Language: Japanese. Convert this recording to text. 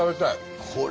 これ。